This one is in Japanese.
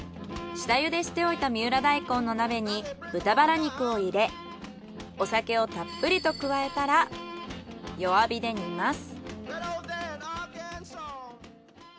下茹でしておいた三浦大根の鍋に豚バラ肉を入れお酒をたっぷりと加えたら弱火で煮ます。